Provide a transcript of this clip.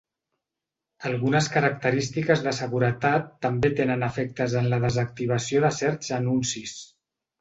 Algunes característiques de seguretat també tenen efectes en la desactivació de certs anuncis.